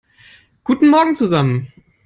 Guten Morgen zusammen!